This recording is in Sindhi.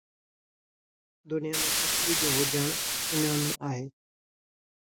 دنيا ۾ پکيءَ جو هجڻ، سُڃاڻڻ آهي